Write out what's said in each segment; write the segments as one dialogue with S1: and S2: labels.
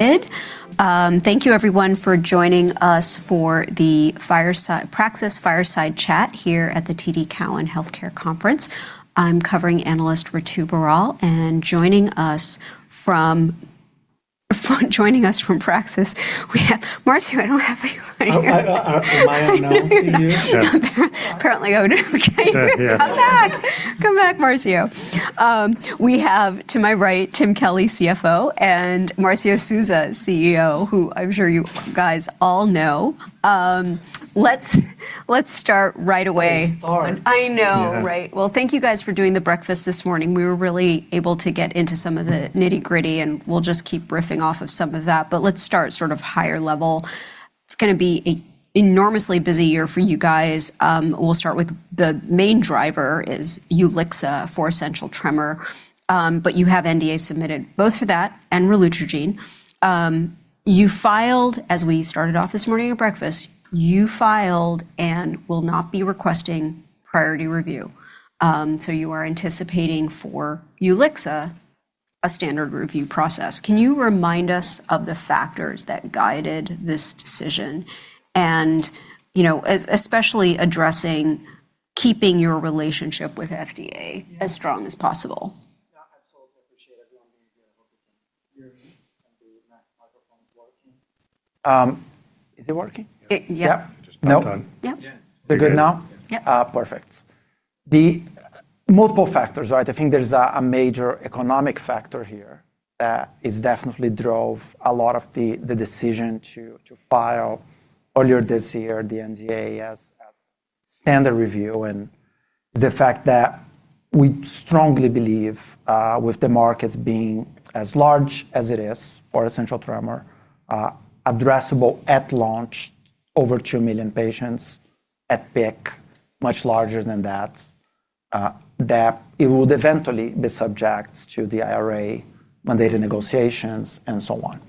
S1: Good. Thank you everyone for joining us for the Praxis Fireside Chat here at the TD Cowen Healthcare Conference. I'm covering analyst Ritu Baral and joining us from Praxis, we have Marcio, I don't have you on here.
S2: Am I unknown to you?
S1: Apparently I would. Okay.
S2: Yeah.
S1: Come back. Come back, Marcio. We have to my right, Tim Kelly, CFO, and Marcio Souza, CEO, who I'm sure you guys all know. Let's start right away.
S2: Let's start.
S1: I know, right?
S2: Yeah.
S1: Thank you guys for doing the breakfast this morning. We were really able to get into some of the nitty-gritty, and we'll just keep riffing off of some of that. Let's start sort of higher level. It's gonna be a enormously busy year for you guys. We'll start with the main driver is Ulyxa for essential tremor. You have NDA submitted both for that and relumitragene. You filed, as we started off this morning at breakfast, you filed and will not be requesting priority review. You are anticipating for Ulyxa a standard review process. Can you remind us of the factors that guided this decision? You know, especially addressing keeping your relationship with FDA as strong as possible.
S2: Yeah, absolutely. Appreciate everyone being here. Hope everything.
S1: Mm-hmm.
S2: The microphone is working. Is it working?
S1: Yeah.
S2: Yeah. Just popped on. Yeah.
S1: Yeah.
S2: Is it good now?
S1: Yeah.
S2: Perfect. The multiple factors, right? I think there's a major economic factor here that is definitely drove a lot of the decision to file earlier this year the NDA as standard review. Is the fact that we strongly believe with the markets being as large as it is for essential tremor, addressable at launch, over 2 million patients at peak, much larger than that it would eventually be subject to the IRA mandated negotiations and so on.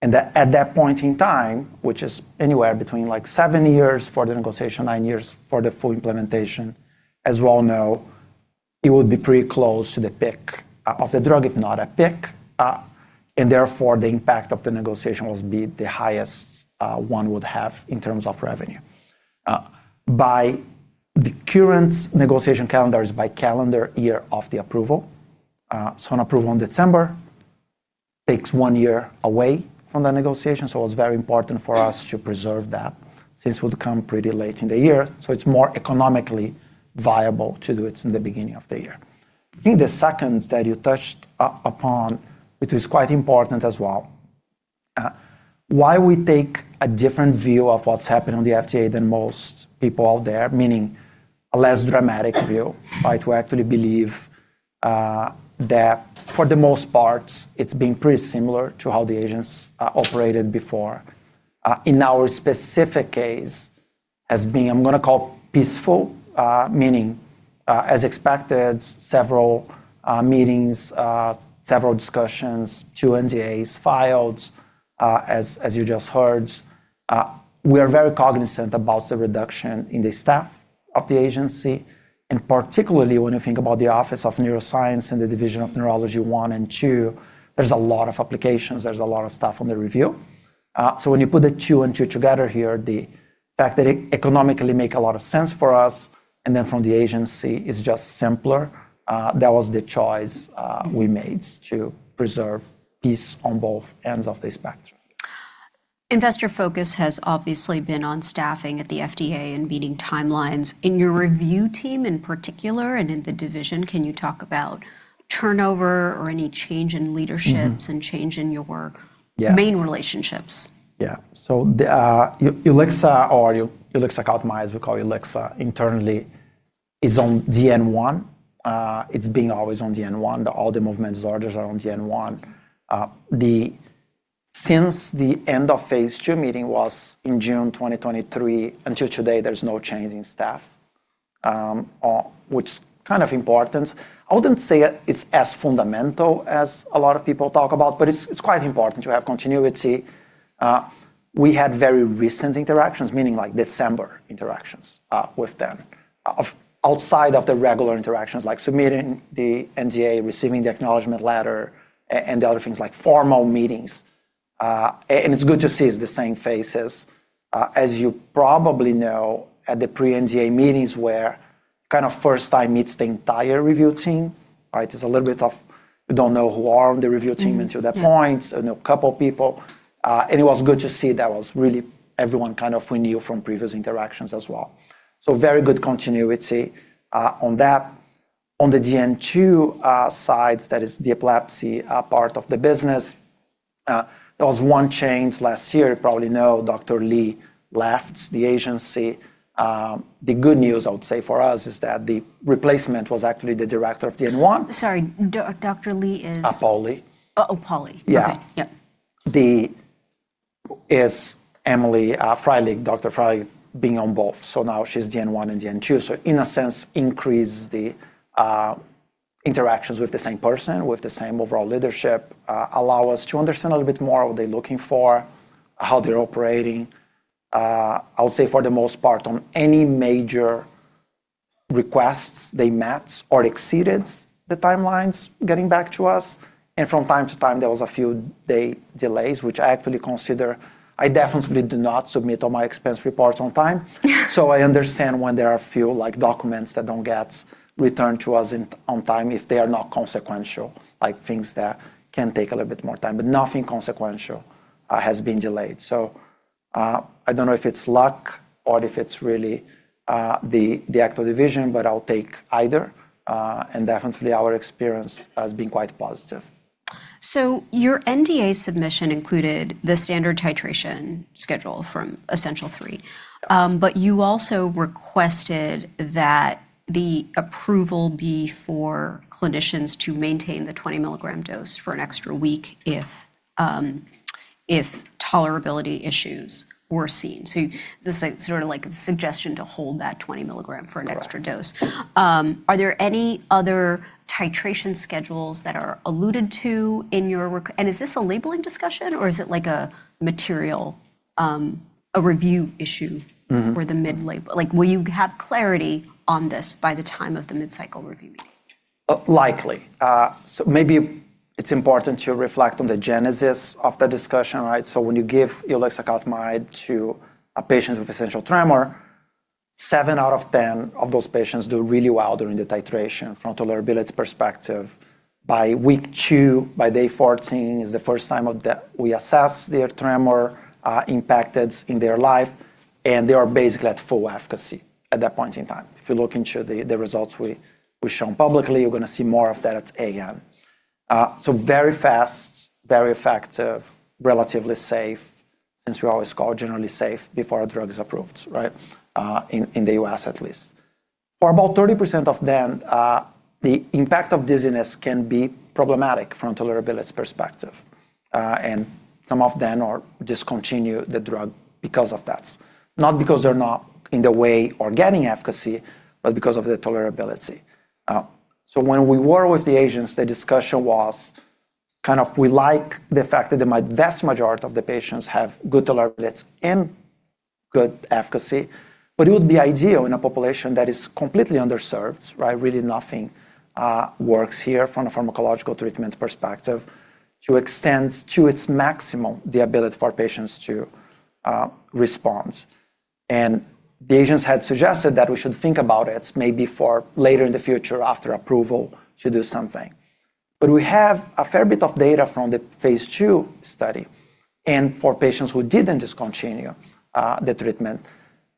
S2: That at that point in time, which is anywhere between, like, seven years for the negotiation, nine years for the full implementation, as we all know, it would be pretty close to the peak of the drug, if not at peak. Therefore, the impact of the negotiation will be the highest, one would have in terms of revenue. By negotiation calendar is by calendar year of the approval. So an approval in December takes one year away from the negotiation, so it's very important for us to preserve that since we'll become pretty late in the year, so it's more economically viable to do it in the beginning of the year. I think the second that you touched upon, which is quite important as well, why we take a different view of what's happened on the FDA than most people out there, meaning a less dramatic view, right? We actually believe that for the most part, it's been pretty similar to how the agents operated before. In our specific case, has been, I'm gonna call peaceful, meaning as expected, several meetings, several discussions, two NDAs filed, as you just heard. We are very cognizant about the reduction in the staff of the agency, particularly when you think about the Office of Neuroscience and the Division of Neurology I and II, there's a lot of applications, there's a lot of stuff under review. When you put the two and two together here, the fact that it economically make a lot of sense for us and then from the agency is just simpler, that was the choice we made to preserve peace on both ends of the spectrum.
S1: Investor focus has obviously been on staffing at the FDA and meeting timelines. In your review team in particular and in the division, can you talk about turnover or any change in leadership?
S2: Mm-hmm
S1: And change in your-
S2: Yeah
S1: Main relationships?
S2: The Ulyxa customize, we call Ulyxa internally, is on DN-1. It's been always on DN-1. The all the movements orders are on DN-1. Since the end of phase II meeting was in June 2023 until today, there's no change in staff, which kind of importance. I wouldn't say it's as fundamental as a lot of people talk about, but it's quite important to have continuity. We had very recent interactions, meaning like December interactions, with them of outside of the regular interactions, like submitting the NDA, receiving the acknowledgement letter, and other things like formal meetings. It's good to see it's the same faces. As you probably know, at the pre-NDA meetings were kind of first time meet the entire review team, right? It's a little bit of we don't know who are the review team.
S1: Mm-hmm
S2: Until that point.
S1: Yeah.
S2: I know a couple of people. It was good to see that was really everyone kind of we knew from previous interactions as well. Very good continuity on that. On the DN-2 sides, that is the epilepsy part of the business, there was one change last year. You probably know Billy Dunn left the agency. The good news I would say for us is that the replacement was actually the director of DN-1.
S1: Sorry. Billy Dunn is?
S2: Paul Lee.
S1: Oh, Paul Lee.
S2: Yeah.
S1: Okay. Yeah.
S2: The is Emily Freilich, Dr. Freilich being on both. Now she's DN-1 and DN-2, in a sense increase the interactions with the same person, with the same overall leadership, allow us to understand a little bit more what they're looking for, how they're operating. I would say for the most part, on any major requests, they met or exceeded the timelines getting back to us. From time to time, there was a few day delays, which I actually consider. I definitely do not submit all my expense reports on time. I understand when there are few like documents that don't get returned to us in, on time if they are not consequential, like things that can take a little bit more time. Nothing consequential has been delayed. I don't know if it's luck or if it's really, the act of division, but I'll take either. Definitely our experience has been quite positive.
S1: Your NDA submission included the standard titration schedule from Essential3. You also requested that the approval be for clinicians to maintain the 20-milligram dose for an extra week if tolerability issues were seen. This suggestion to hold that 20 milligram for an extra dose.
S2: Correct.
S1: Are there any other titration schedules that are alluded to in your req? Is this a labeling discussion, or is it like a material, a review issue?
S2: Mm-hmm
S1: For the mid label? Like, will you have clarity on this by the time of the mid-cycle review meeting?
S2: Likely. Maybe it's important to reflect on the genesis of the discussion, right? When you give ulixacaltamide to a patient with essential tremor, seven out of 10 of those patients do really well during the titration from tolerability perspective. By week two, by day 14 is the first time that we assess their tremor impacted in their life, and they are basically at full efficacy at that point in time. If you look into the results we've shown publicly, you're gonna see more of that at AAN. Very fast, very effective, relatively safe, since we always call generally safe before a drug is approved, right? In the U.S. at least. For about 30% of them, the impact of dizziness can be problematic from tolerability perspective. Some of them are discontinue the drug because of that. Not because they're not in the way or getting efficacy, but because of the tolerability. When we were with the agents, the discussion was kind of we like the fact that the vast majority of the patients have good tolerability and good efficacy. It would be ideal in a population that is completely underserved, right? Really nothing works here from a pharmacological treatment perspective to extend to its maximum the ability for our patients to response. The agents had suggested that we should think about it maybe for later in the future after approval to do something. We have a fair bit of data from the phase II study, and for patients who didn't discontinue the treatment,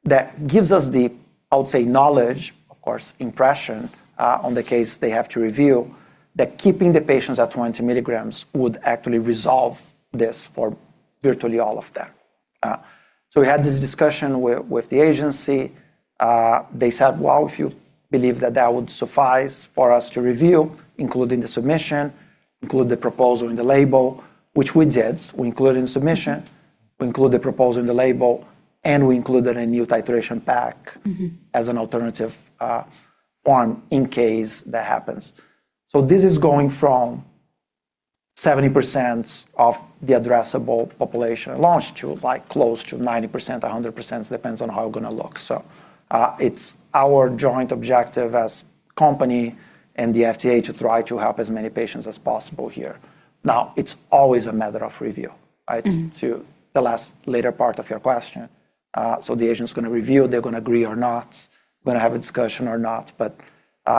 S2: that gives us the, I would say, knowledge, of course, impression on the case they have to review, that keeping the patients at 20 milligrams would actually resolve this for virtually all of them. We had this discussion with the agency. They said, "Well, if you believe that that would suffice for us to review, include in the submission, include the proposal in the label," which we did. We include in the submission, we include the proposal in the label, and we included a new titration pack-.
S1: Mm-hmm
S2: As an alternative form in case that happens. This is going from 70% of the addressable population at launch to like close to 90%, 100%, depends on how it gonna look. It's our joint objective as company and the FDA to try to help as many patients as possible here. Now, it's always a matter of review, right?
S1: Mm-hmm.
S2: To the last later part of your question. The agent's gonna review, they're gonna agree or not, we're gonna have a discussion or not, but,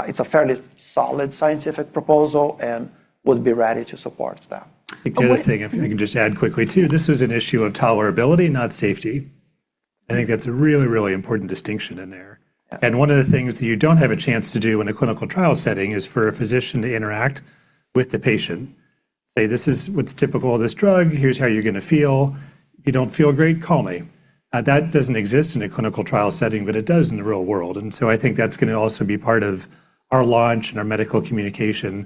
S2: it's a fairly solid scientific proposal, and we'll be ready to support that.
S3: The other thing, if I can just add quickly too, this was an issue of tolerability, not safety. I think that's a really, really important distinction in there. One of the things that you don't have a chance to do in a clinical trial setting is for a physician to interact with the patient, say, "This is what's typical of this drug. Here's how you're gonna feel. If you don't feel great, call me." That doesn't exist in a clinical trial setting, but it does in the real world. I think that's gonna also be part of our launch and our medical communication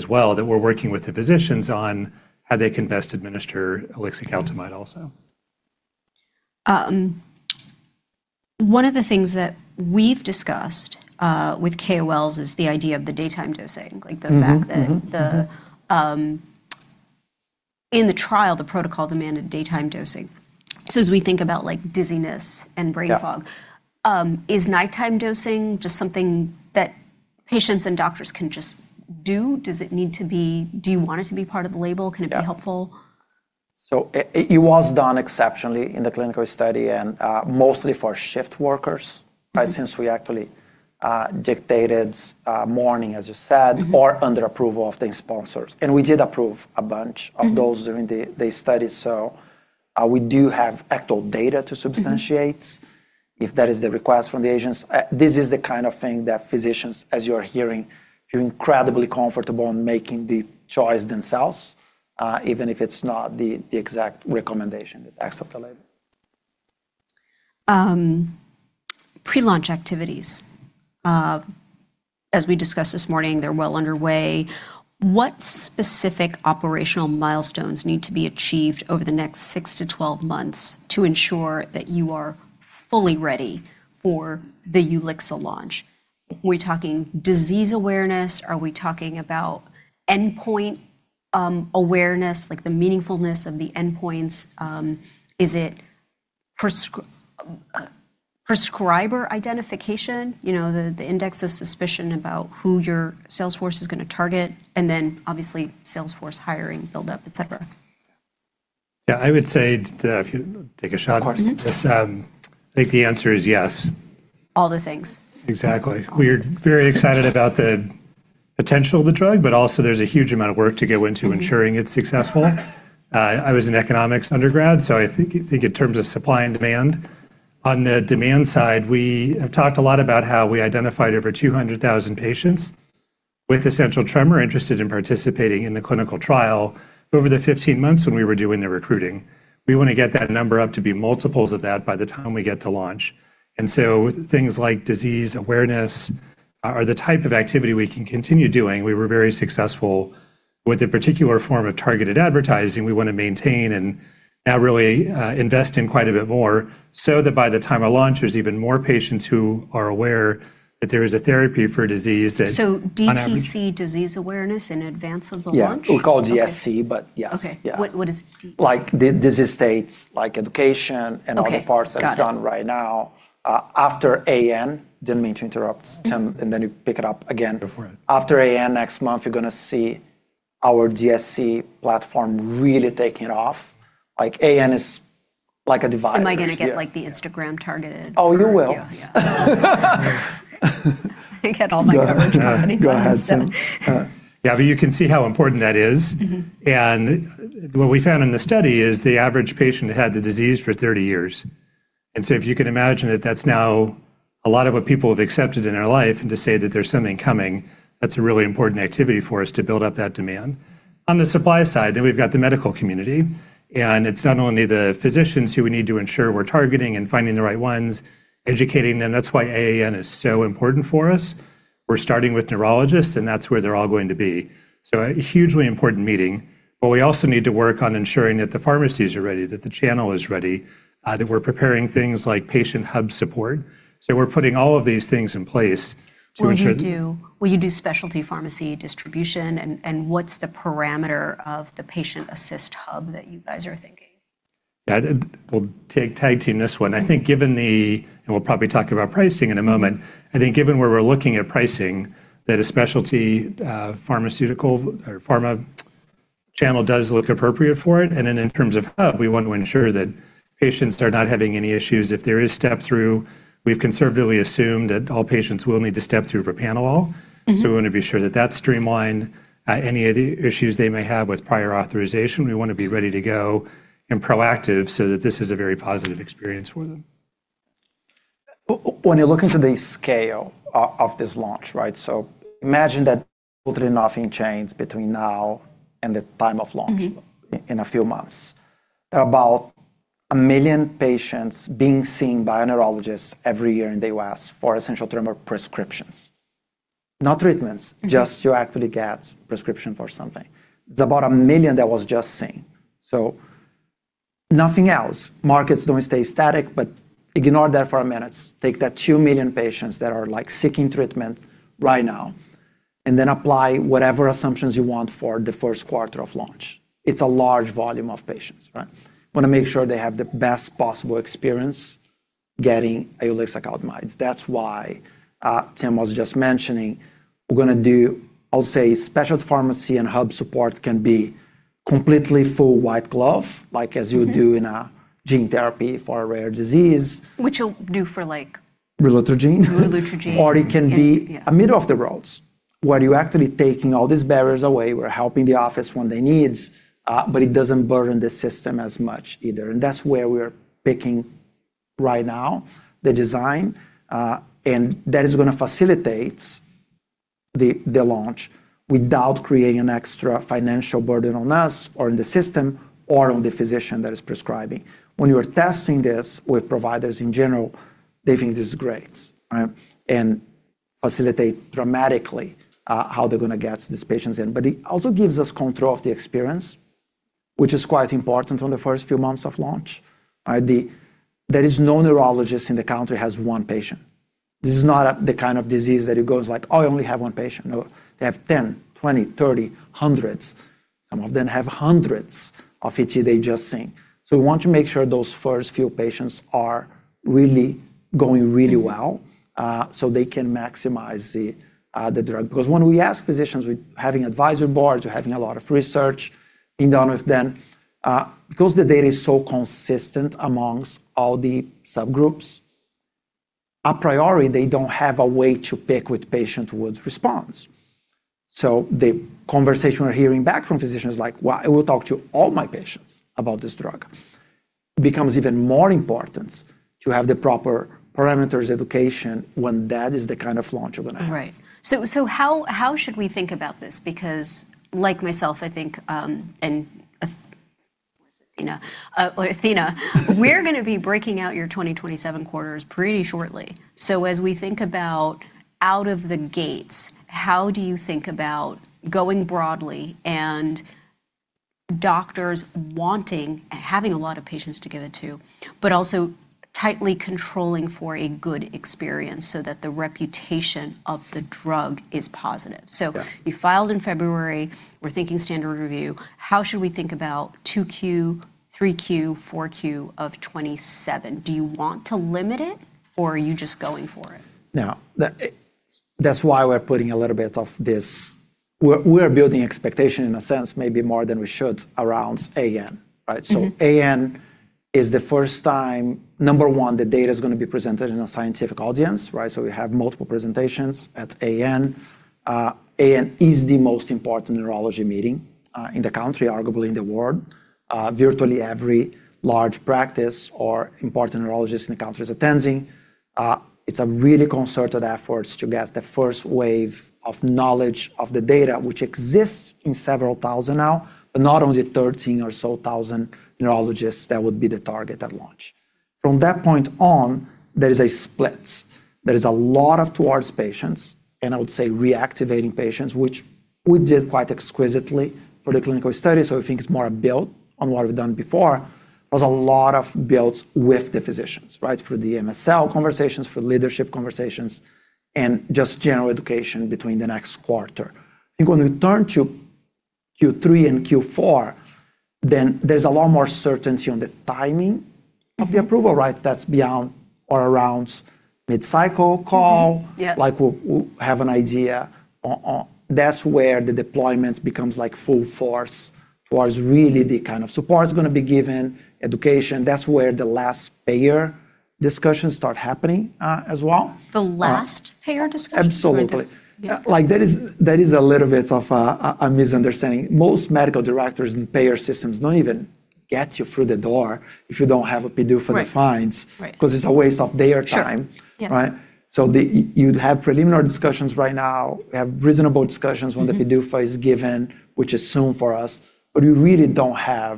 S3: as well, that we're working with the physicians on how they can best administer ulixacaltamide also.
S1: One of the things that we've discussed, with KOLs is the idea of the daytime dosing. Like the fact that-
S2: Mm-hmm, mm-hmm.
S1: The, in the trial, the protocol demanded daytime dosing. As we think about like dizziness and brain fog.
S2: Yeah
S1: Is nighttime dosing just something that patients and doctors can just do? Do you want it to be part of the label?
S2: Yeah.
S1: Can it be helpful?
S2: It was done exceptionally in the clinical study and mostly for shift workers.
S1: Right.
S2: Since we actually, dictated, morning, as you said.
S1: Mm-hmm
S2: Or under approval of the sponsors. We did approve a bunch of those.
S1: Mm-hmm
S2: During the study. We do have actual data.
S1: Mm-hmm
S2: If that is the request from the agents. This is the kind of thing that physicians, as you're hearing, feel incredibly comfortable in making the choice themselves, even if it's not the exact recommendation that's accepted later.
S1: Pre-launch activities. As we discussed this morning, they're well underway. What specific operational milestones need to be achieved over the next six to 12 months to ensure that you are fully ready for the Ulyxa launch? We talking disease awareness? Are we talking about endpoint, awareness, like the meaningfulness of the endpoints? Prescriber identification, you know, the index of suspicion about who your sales force is gonna target, and then obviously sales force hiring, build up, et cetera.
S3: Yeah. If you take a shot.
S2: Of course.
S1: Mm-hmm.
S3: I think the answer is yes.
S1: All the things.
S3: Exactly.
S1: All the things.
S3: We're very excited about the potential of the drug, but also there's a huge amount of work to go into...
S1: Mm-hmm
S3: Ensuring it's successful. I was an economics undergrad, I think in terms of supply and demand. On the demand side, we have talked a lot about how we identified over 200,000 patients with essential tremor interested in participating in the clinical trial over the 15 months when we were doing the recruiting. We wanna get that number up to be multiples of that by the time we get to launch. Things like disease awareness are the type of activity we can continue doing. We were very successful with a particular form of targeted advertising we wanna maintain and now really invest in quite a bit more, that by the time I launch, there's even more patients who are aware that there is a therapy for a disease.
S1: DTC disease awareness in advance of the launch?
S2: Yeah. We call it DSC, but yes.
S1: Okay.
S2: Yeah.
S1: What is?
S2: Like disease states, like education-
S1: Okay. Got it.
S2: And all the parts that's done right now. After AAN, didn't mean to interrupt, Tim, and then you pick it up again.
S3: Go for it.
S2: After AAN next month, you're gonna see our DSC platform really taking off. Like AAN is like a divider.
S1: Am I gonna get like the Instagram targeted?
S2: Oh, you will.
S1: Yeah. Yeah. I get all my coverage at any time.
S2: Go ahead, Tim.
S3: Yeah, but you can see how important that is.
S1: Mm-hmm.
S3: What we found in the study is the average patient had the disease for 30 years. If you can imagine that that's now a lot of what people have accepted in their life, and to say that there's something coming, that's a really important activity for us to build up that demand. On the supply side, we've got the medical community, and it's not only the physicians who we need to ensure we're targeting and finding the right ones, educating them. That's why AAN is so important for us. We're starting with neurologists, and that's where they're all going to be. A hugely important meeting. We also need to work on ensuring that the pharmacies are ready, that the channel is ready, that we're preparing things like patient hub support. We're putting all of these things in place to ensure.
S1: Will you do specialty pharmacy distribution? What's the parameter of the patient assist hub that you guys are thinking?
S3: Yeah. We'll tag team this one. We'll probably talk about pricing in a moment. I think given where we're looking at pricing, that a specialty pharmaceutical or pharma channel does look appropriate for it. Then in terms of hub, we want to ensure that patients are not having any issues. If there is step through, we've conservatively assumed that all patients will need to step through for phenobarbital.
S1: Mm-hmm.
S3: We wanna be sure that that's streamlined. Any other issues they may have with prior authorization, we wanna be ready to go and proactive so that this is a very positive experience for them.
S2: When you look into the scale of this launch, right? Imagine that literally nothing changed between now and the time of launch.
S1: Mm-hmm
S2: In a few months. About 1 million patients being seen by a neurologist every year in the U.S. for essential tremor prescriptions. Not treatments-
S1: Mm-hmm
S2: just you actually get prescription for something. It's about $1 million that was just seen. Nothing else. Markets don't stay static, ignore that for a minute. Take that 2 million patients that are like seeking treatment right now, apply whatever assumptions you want for the first quarter of launch. It's a large volume of patients, right? Wanna make sure they have the best possible experience getting ulixacaltamide. That's why Tim was just mentioning, we're gonna do, I'll say specialty pharmacy and hub support can be completely full white glove, like as you do in a.
S1: Mm-hmm
S2: Gene therapy for a rare disease.
S1: Which you'll do for like-
S2: Relutrogene.
S1: Relutrogene.
S2: it can be-
S1: Yeah
S2: A middle of the road, where you're actually taking all these barriers away, we're helping the office when they need, but it doesn't burden the system as much either. That's where we're picking right now, the design, and that is gonna facilitate the launch without creating an extra financial burden on us or in the system or on the physician that is prescribing. When you are testing this with providers in general, they think this is great, right? Facilitate dramatically how they're gonna get these patients in. It also gives us control of the experience, which is quite important on the first few months of launch. There is no neurologist in the country has one patient. This is not the kind of disease that it goes like, "Oh, I only have one patient." No. They have 10, 20, 30, hundreds. Some of them have hundreds of ET they just seen. We want to make sure those first few patients are really going really well, so they can maximize the drug. When we ask physicians, we're having advisory boards, we're having a lot of research being done with them, because the data is so consistent amongst all the subgroups, a priority, they don't have a way to pick which patient would response. The conversation we're hearing back from physicians like, "Well, I will talk to all my patients about this drug," becomes even more important to have the proper parameters, education, when that is the kind of launch we're gonna have.
S1: How should we think about this? like myself, I think, where's Athena? Athena, we're gonna be breaking out your 2027 quarters pretty shortly. as we think about out of the gates, how do you think about going broadly and doctors wanting and having a lot of patients to give it to, but also tightly controlling for a good experience so that the reputation of the drug is positive.
S2: Yeah.
S1: You filed in February, we're thinking standard review. How should we think about 2Q, 3Q, 4Q of 2027? Do you want to limit it or are you just going for it?
S2: No. That, that's why we're putting a little bit of this. We're building expectation in a sense maybe more than we should around AAN, right?
S1: Mm-hmm.
S2: AAN is the first time, number one, the data is gonna be presented in a scientific audience, right? We have multiple presentations at AAN. AAN is the most important neurology meeting in the country, arguably in the world. Virtually every large practice or important neurologist in the country is attending. It's a really concerted efforts to get the first wave of knowledge of the data which exists in several thousand now, but not only 13 or so thousand neurologists that would be the target at launch. From that point on, there is a split. There is a lot of towards patients, and I would say reactivating patients, which we did quite exquisitely for the clinical study, so I think it's more a build on what we've done before. There's a lot of builds with the physicians, right? For the MSL conversations, for leadership conversations, and just general education between the next quarter. You're going to turn to Q3 and Q4, then there's a lot more certainty on the timing of the approval, right? That's beyond or around mid-cycle call.
S1: Mm-hmm. Yeah.
S2: Like, we'll have an idea on. That's where the deployment becomes like full force towards really the kind of support is gonna be given, education. That's where the last payer discussions start happening as well.
S1: The last payer discussions?
S2: Absolutely.
S1: Yeah.
S2: Like there is a little bit of a misunderstanding. Most medical directors and payer systems don't even get you through the door if you don't have a PDUFA.
S1: Right, right.
S2: 'Cause it's a waste of their time.
S1: Sure, yeah.
S2: Right? The, you'd have preliminary discussions right now, have reasonable discussions when.
S1: Mm-hmm
S2: The PDUFA is given, which is soon for us, but we really don't have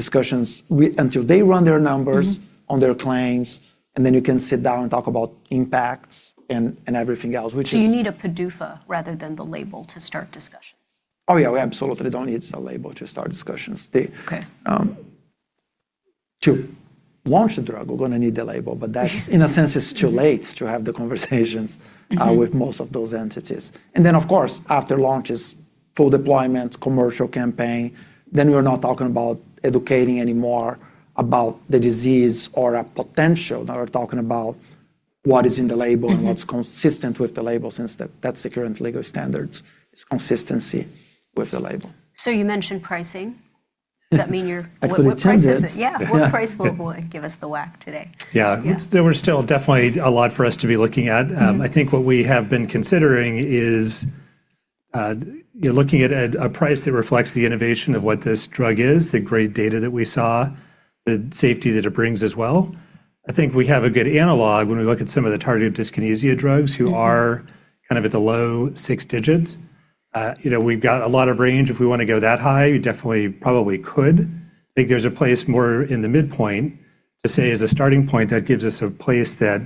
S2: discussions until they run their numbers.
S1: Mm-hmm
S2: On their claims, and then you can sit down and talk about impacts and everything else, which is.
S1: You need a PDUFA rather than the label to start discussions?
S2: Oh, yeah, we absolutely don't need the label to start discussions.
S1: Okay
S2: To launch the drug, we're gonna need the label.
S1: Okay
S2: In a sense, it's too late to have the conversations.
S1: Mm-hmm
S2: With most of those entities. Of course, after launch is full deployment, commercial campaign, then we're not talking about educating any more about the disease or a potential. We're talking about what is in the label-
S1: Mm-hmm
S2: What's consistent with the label since that's the current legal standards, is consistency with the label.
S1: You mentioned pricing. Does that mean?
S2: I couldn't change it.
S1: what price is it? Yeah.
S2: Yeah.
S1: Give us the whack today.
S3: Yeah.
S1: Yeah.
S3: There were still definitely a lot for us to be looking at.
S1: Mm-hmm.
S3: I think what we have been considering is, you're looking at a price that reflects the innovation of what this drug is, the great data that we saw, the safety that it brings as well. I think we have a good analog when we look at some of the tardive dyskinesia drugs who are-
S1: Mm-hmm
S3: Kind of at the low six digits. you know, we've got a lot of range if we wanna go that high. We definitely probably could. I think there's a place more in the midpoint to say as a starting point that gives us a place that,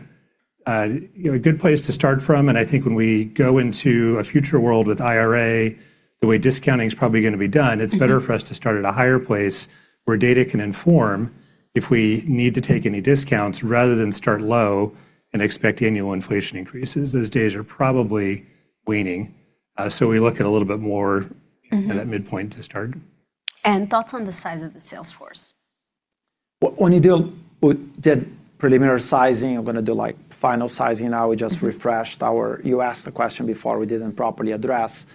S3: you know, a good place to start from. I think when we go into a future world with IRA, the way discounting is probably gonna be done.
S1: Mm-hmm
S3: It's better for us to start at a higher place where data can inform if we need to take any discounts rather than start low and expect annual inflation increases. Those days are probably waning. We look at a little bit more.
S1: Mm-hmm
S3: At that midpoint to start.
S1: Thoughts on the size of the sales force?
S2: When you deal with the preliminary sizing, you're gonna do like final sizing now.
S1: Mm-hmm.
S2: We just refreshed our. You asked the question before, we didn't properly address.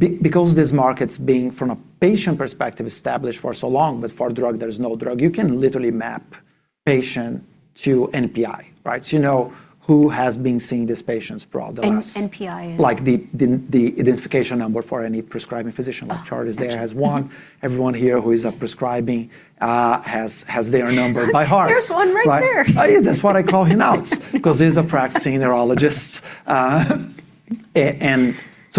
S2: Like, because these markets being, from a patient perspective, established for so long, but for drug, there's no drug, you can literally map patient to NPI, right? You know who has been seeing these patients for all the last-.
S1: NPI is?
S2: Like the identification number for any prescribing physician.
S1: Oh, got you.
S2: Like Charles there has one.
S1: Mm-hmm.
S2: Everyone here who is a prescribing, has their number by heart.
S1: There's one right there.
S2: Right? Yeah, that's what I call him 'cause he's a practicing neurologist.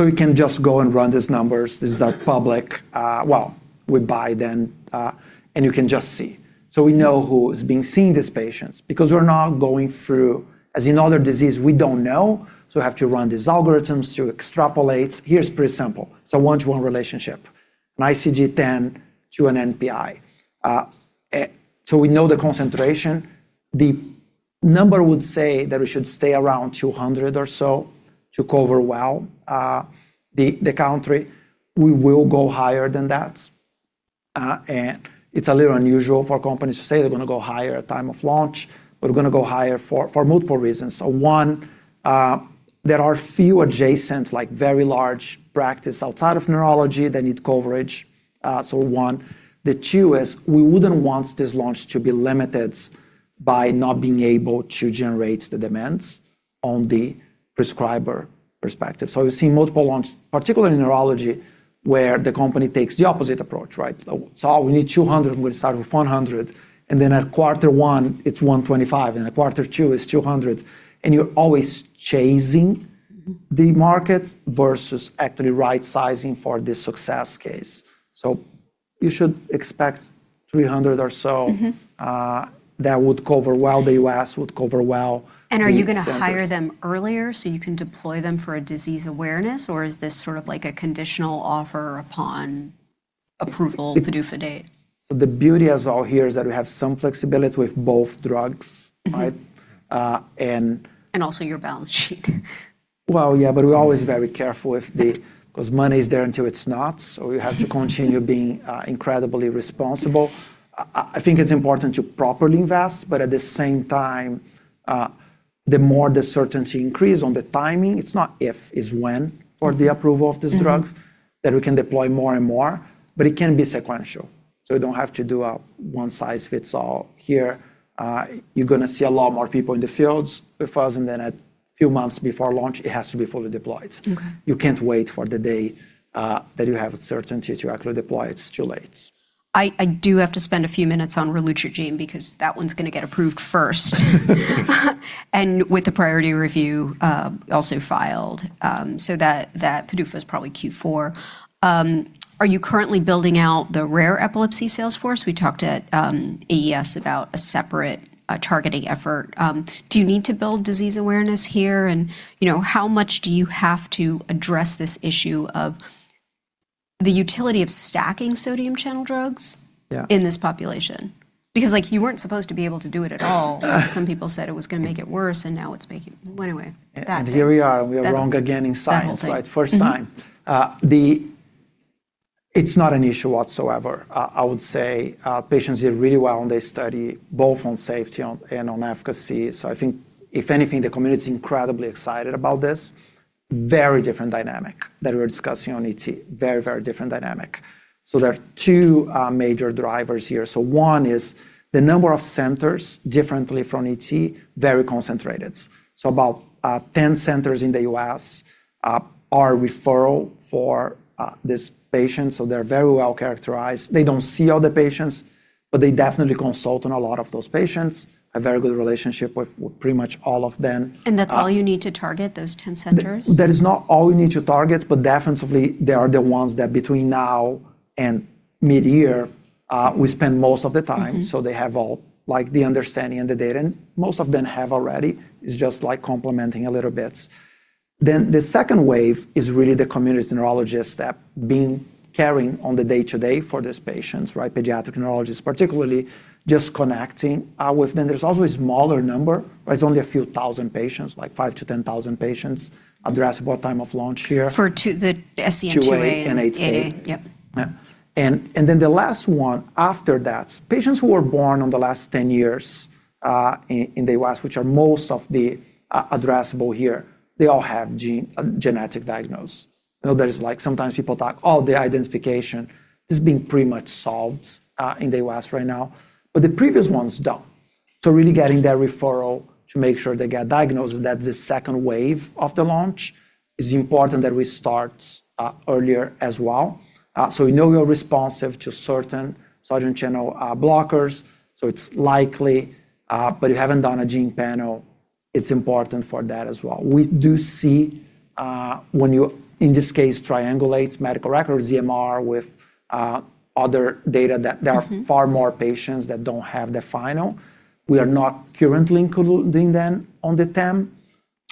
S2: We can just go and run these numbers. These are public. Well, we buy them, and you can just see. We know who is being seeing these patients because we're now going through, as in other disease, we don't know, so we have to run these algorithms to extrapolate. Here's pretty simple. It's a one-to-one relationship, an ICD-10 to an NPI. We know the concentration. The number would say that we should stay around 200 or so to cover well, the country. We will go higher than that. It's a little unusual for companies to say they're gonna go higher at time of launch, but we're gonna go higher for multiple reasons. One, there are few adjacent, like very large practices outside of neurology that need coverage. The two is we wouldn't want this launch to be limited by not being able to generate the demands on the prescriber perspective. We've seen multiple launches, particularly in neurology, where the company takes the opposite approach, right? We need 200, we'll start with 100, and then at quarter one, it's 125, and at quarter two, it's 200. You're always chasing-
S1: Mm-hmm
S2: The market versus actually right sizing for the success case. You should expect 300 or so-
S1: Mm-hmm
S2: That would cover well, the U.S. would cover well the incentives.
S1: Are you gonna hire them earlier so you can deploy them for a disease awareness, or is this sort of like a conditional offer upon-Approval, the PDUFA date?
S2: The beauty as well here is that we have some flexibility with both drugs.
S1: Mm-hmm
S2: Right?
S1: Also your balance sheet.
S2: Yeah, we're always very careful 'cause money is there until it's not. We have to continue being incredibly responsible. I think it's important to properly invest, at the same time, the more the certainty increase on the timing, it's not if, it's when for the approval of these drugs.
S1: Mm-hmm
S2: That we can deploy more and more, but it can be sequential. We don't have to do a one-size-fits-all here. You're gonna see a lot more people in the fields, the files, and then a few months before launch, it has to be fully deployed.
S1: Okay.
S2: You can't wait for the day, that you have a certainty to actually deploy. It's too late.
S1: I do have to spend a few minutes on relumitragene because that one's gonna get approved first. With the priority review also filed, so that PDUFA is probably Q4. Are you currently building out the rare epilepsy sales force? We talked at AES about a separate targeting effort. Do you need to build disease awareness here? You know, how much do you have to address this issue of the utility of stacking sodium channel drugs?
S2: Yeah
S1: In this population? Because, like, you weren't supposed to be able to do it at all. Some people said it was gonna make it worse, and now it's making. Well, anyway, that thing.
S2: Here we are, and we are wrong again in science, right?
S1: That thing.
S2: First time. It's not an issue whatsoever. I would say patients did really well in this study, both on safety and on efficacy. I think if anything, the community is incredibly excited about this. Very different dynamic that we're discussing on ET. Very different dynamic. There are two major drivers here. One is the number of centers differently from ET, very concentrated. About 10 centers in the U.S. are referral for this patient, so they're very well characterized. They don't see all the patients, but they definitely consult on a lot of those patients, a very good relationship with pretty much all of them.
S1: That's all you need to target, those 10 centers?
S2: That is not all we need to target. Definitely they are the ones that between now and mid-year, we spend most of the time.
S1: Mm-hmm.
S2: They have all, like, the understanding and the data, and most of them have already. It's just like complementing a little bit. The second wave is really the community neurologists that have been carrying on the day-to-day for these patients, right? Pediatric neurologists, particularly just connecting with them. There's also a smaller number. There's only a few thousand patients, like 5,000-10,000 patients addressable at time of launch here.
S1: For the SCN2A-
S2: 2A and 8A.
S1: AA. Yep.
S2: The last one after that, patients who were born on the last 10 years, in the U.S., which are most of the addressable here, they all have gene, genetic diagnosis. You know, there is like sometimes people talk, oh, the identification has been pretty much solved in the U.S. right now, but the previous ones don't. Really getting that referral to make sure they get diagnosed, that the second wave of the launch is important that we start earlier as well. We know we are responsive to certain sodium channel blockers, so it's likely, but you haven't done a gene panel, it's important for that as well. We do see, when you, in this case, triangulate medical records, EMR, with other data that.
S1: Mm-hmm
S2: There are far more patients that don't have the final. We are not currently including them on the term,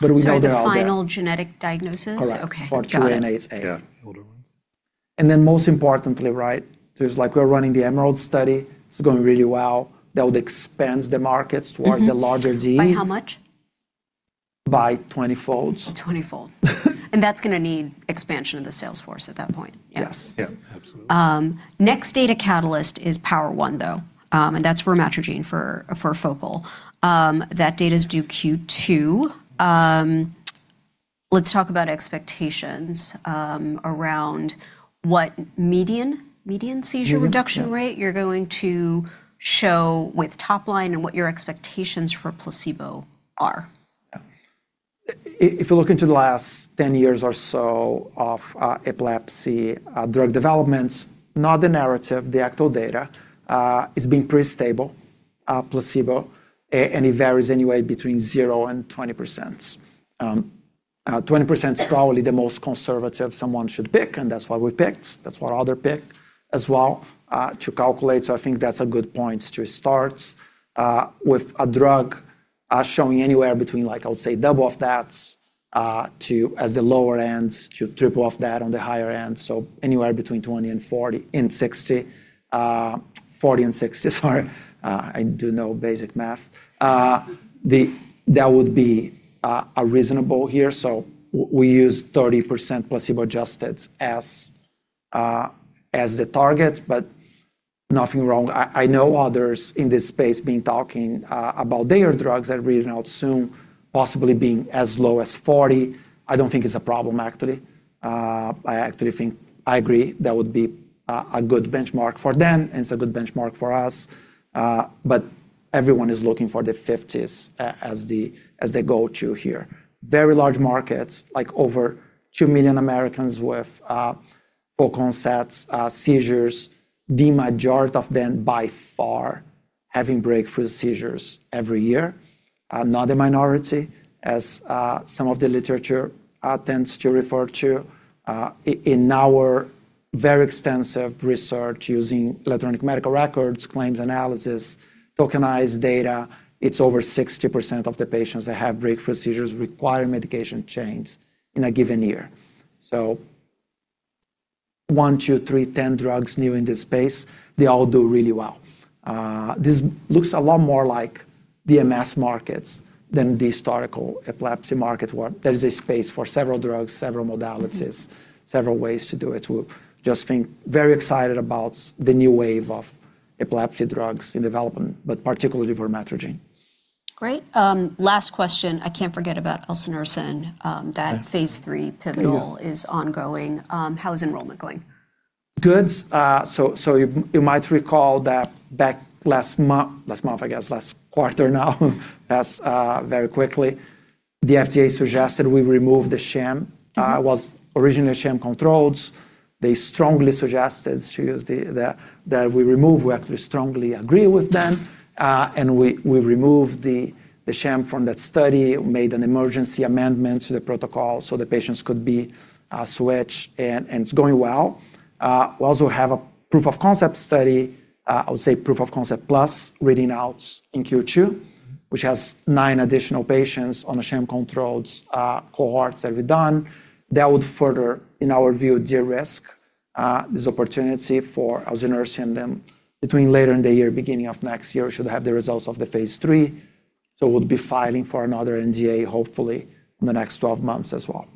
S2: but we know they are there.
S1: Sorry, the final genetic diagnosis?
S2: Correct.
S1: Okay. Got it.
S2: For 2A and 8A. Yeah. Older ones. Most importantly, right, there's like we're running the EMBOLD study. It's going really well. That would expand the markets towards-
S1: Mm-hmm
S2: The larger gene.
S1: By how much?
S2: By 20-fold.
S1: 20-fold. That's gonna need expansion of the sales force at that point. Yeah.
S2: Yes. Yeah. Absolutely.
S1: Next data catalyst is POWER1 though, and that's for vormetragine for focal. That data is due Q2. Let's talk about expectations around what median seizure-
S2: Median, yeah
S1: Reduction rate you're going to show with top line and what your expectations for placebo are.
S2: Yeah. If you look into the last 10 years or so of epilepsy drug developments, not the narrative, the actual data, it's been pretty stable, placebo. It varies anywhere between 0% and 20%. 20% is probably the most conservative someone should pick, and that's why we picked, that's what other picked as well, to calculate. I think that's a good point to start with a drug showing anywhere between, like, I would say double of that to as the lower end, to triple of that on the higher end. Anywhere between 20 and 40, and 60. 40 and 60. Sorry. I do know basic math. That would be reasonable here. We use 30% placebo-adjusted as the target, but nothing wrong. I know others in this space been talking about their drugs that reading out soon, possibly being as low as 40. I don't think it's a problem, actually. I actually think. I agree that would be a good benchmark for them, and it's a good benchmark for us, but everyone is looking for the 50s as the go-to here. Very large markets, like over 2 million Americans with focal onset seizures, the majority of them by far having breakthrough seizures every year. Not a minority as some of the literature tends to refer to. In our very extensive research using electronic medical records, claims analysis, tokenized data, it's over 60% of the patients that have breakthrough seizures require medication change in a given year. One, two, three, 10 drugs new in this space, they all do really well. This looks a lot more like the MS markets than the historical epilepsy market, where there is a space for several drugs, several modalities.
S1: Mm-hmm
S2: Several ways to do it. We just feel very excited about the new wave of epilepsy drugs in development, but particularly for vormetragine.
S1: Great. Last question. I can't forget about elsunersen.
S2: Yeah
S1: Phase III.
S2: Good yeah.
S1: Is ongoing. How is enrollment going?
S2: Good. You might recall that back last month, I guess, last quarter now, passed very quickly, the FDA suggested we remove the sham.
S1: Mm-hmm.
S2: It was originally sham controls. They strongly suggested to use that we remove. We actually strongly agree with them, and we removed the sham from that study, made an emergency amendment to the protocol so the patients could be switched, and it's going well. We also have a proof of concept study, I would say proof of concept plus reading out in Q2, which has nine additional patients on the sham controls cohorts that we've done. That would further, in our view, de-risk this opportunity for elsunersen, then between later in the year, beginning of next year, should have the results of the phase III. We'll be filing for another NDA, hopefully in the next 12 months as well.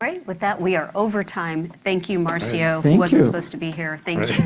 S1: Great. With that, we are over time. Thank you, Marcio.
S2: Okay. Thank you.
S1: Who wasn't supposed to be here. Thank you.